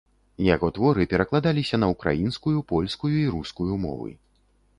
Яго творы перакладаліся на ўкраінскую, польскую і рускую мовы.